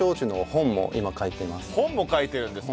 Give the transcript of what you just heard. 本も書いています。